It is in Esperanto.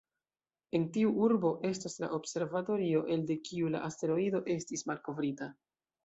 En tiu urbo estas la observatorio elde kiu la asteroido estis malkovrita.